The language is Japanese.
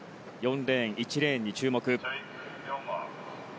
４レーン、１レーンに注目。